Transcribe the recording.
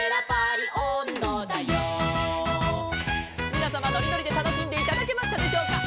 「みなさまのりのりでたのしんでいただけましたでしょうか」